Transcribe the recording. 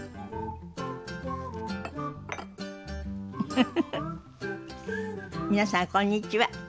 フフフフ皆さんこんにちは。